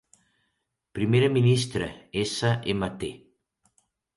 Primera ministra, Smt.